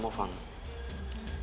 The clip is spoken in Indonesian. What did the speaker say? mungkin kita bisa berbicara